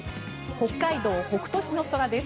北海道北斗市の空です。